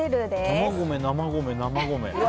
生米、生米、生米。